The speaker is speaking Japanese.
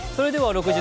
６時！